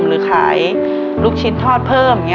หรือขายลูกชิ้นทอดเพิ่ม